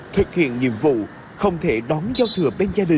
thực hiện nhiệm vụ không thể đóng giao thừa